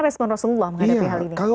respon rasulullah menghadapi hal ini